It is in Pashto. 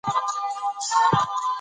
په هر سفر کې مو ملګرې ده.